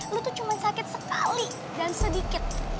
lo tuh cuman sakit sekali dan sedikit